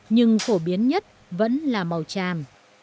nhưng phổ biến nhất vẫn là màu tràm